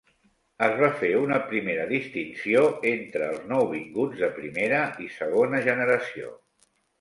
Es va fer una primera distinció entre els nouvinguts de primera i segona generació.